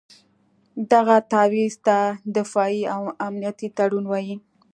دغه تعویض ته دفاعي او امنیتي تړون وایي.